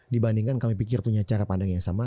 dibandingkan kami pikir punya cara pandang yang sama